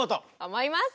思います！